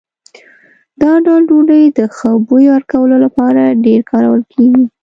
دا ډول ډوډۍ د ښه بوی ورکولو لپاره ډېرې کارول کېږي.